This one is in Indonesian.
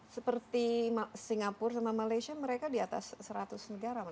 seperti singapura dan malaysia mereka diatas seratus negara